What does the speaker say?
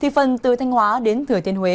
phần từ thanh hóa đến thừa thiên huế